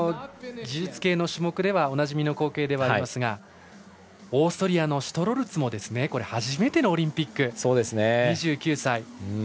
技術系の種目ではおなじみの光景ではありますがオーストリアのシュトロルツも初めてのオリンピック、２９歳。